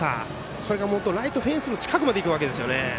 これがライトフェンスの近くまでいくわけですからね。